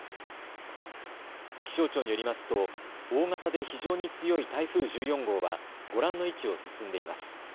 気象庁によりますと、大型で非常に強い台風１４号は、ご覧の位置を進んでいます。